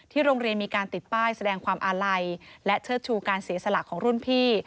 โรงเรียนมีการติดป้ายแสดงความอาลัยและเชิดชูการเสียสละของรุ่นพี่